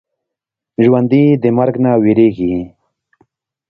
ژوندي د مرګ نه وېرېږي